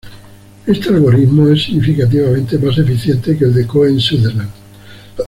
Este algoritmo es significativamente más eficiente que el de Cohen-Sutherland.